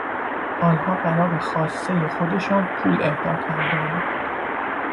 آنها بنا به خواستهی خودشان پول اهدا کردند.